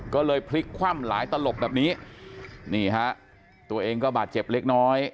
ก็เลยพลิกคว่ำหลายตลบแบบนี้นี่ฮะตัวเองก็บาดเจ็บเล็กน้อย